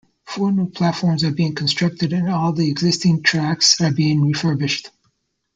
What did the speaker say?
Four new platforms are being constructed and all the existing tracks are being refurbished.